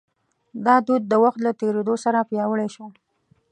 دا دود د وخت له تېرېدو سره پیاوړی شو.